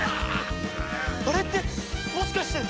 あれってもしかして！